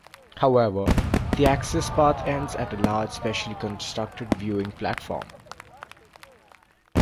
However, the access path ends at a large specially constructed viewing platform.